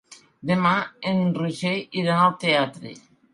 Demà en Roger irà al teatre.